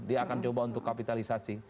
dia akan coba untuk kapitalisasi